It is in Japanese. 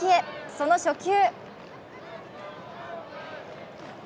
その初球。